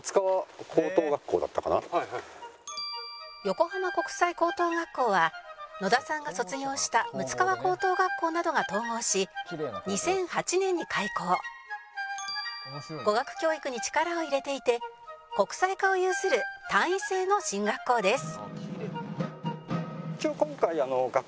「横浜国際高等学校は野田さんが卒業した六ツ川高等学校などが統合し２００８年に開校」「語学教育に力を入れていて国際科を有する単位制の進学校です」